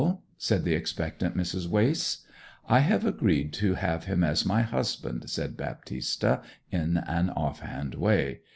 said the expectant Mrs. Wace. 'I have agreed to have him as my husband,' said Baptista, in an off hand way.